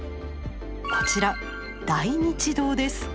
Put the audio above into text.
こちら大日堂です。